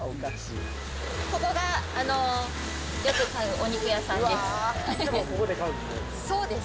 ここがよく買うお肉屋さんです。